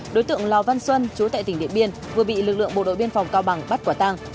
đối tượng lò văn xuân chú tại tỉnh điện biên vừa bị lực lượng bộ đội biên phòng cao bằng bắt quả tang